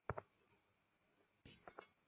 এর সামনে বাজানোর সংকোচ কাটিয়ে তোলা কঠিন।